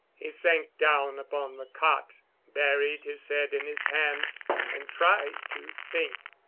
He sank down upon the cot, buried his head in his hands and tried to think.